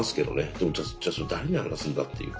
でもじゃあそれ誰に話すんだっていう。